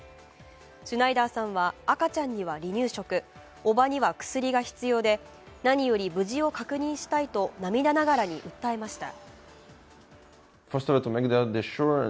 シュナイダーさんは赤ちゃんには離乳食、おばには薬が必要で何より無事を確認したいと涙ながらに訴えました。